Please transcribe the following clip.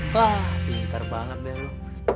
bintar banget ya lu